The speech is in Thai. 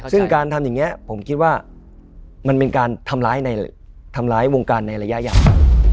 ซึ่งการทำอย่างนี้ผมคิดว่ามันเป็นการทำร้ายทำร้ายวงการในระยะยาว